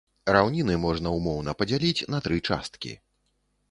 Раўніны можна ўмоўна падзяліць на тры часткі.